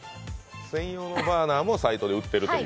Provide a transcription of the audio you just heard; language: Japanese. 専用のバーナーもサイトで売ってるという？